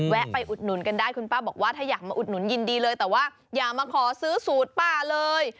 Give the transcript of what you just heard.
ไปอุดหนุนกันได้คุณป้าบอกว่าถ้าอยากมาอุดหนุนยินดีเลยแต่ว่าอย่ามาขอซื้อสูตรป้าเลย